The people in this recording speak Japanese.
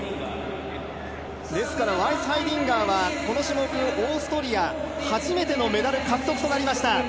ワイスハイディンガーはこの種目、オーストリア初めてのメダル獲得となりました。